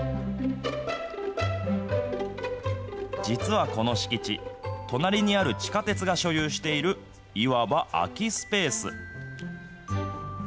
実はこの敷地、隣にある地下鉄が所有している、いわば空きスペース。